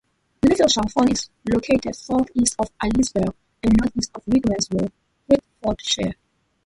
Little Chalfont is located southeast of Aylesbury and northwest of Rickmansworth, Hertfordshire.